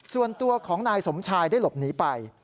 ส่วนตัวของนายสมชายได้หลบหนีไป